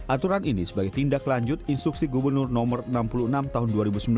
aturan ini sebagai tindak lanjut instruksi gubernur no enam puluh enam tahun dua ribu sembilan belas